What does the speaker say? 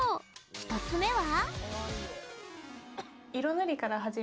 １つ目は。